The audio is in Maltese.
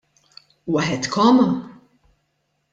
Waħedkom?